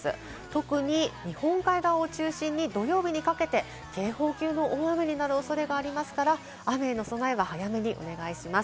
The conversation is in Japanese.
特に日本海側を中心に土曜日にかけて警報級の大雨になる恐れがありますから、雨への備えは早めにお願いします。